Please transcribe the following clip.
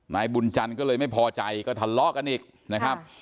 นายบุญจันทร์ก็เลยไม่พอใจก็ทะเลาะกันอีกนะครับ